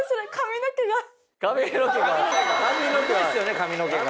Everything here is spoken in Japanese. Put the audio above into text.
髪の毛が？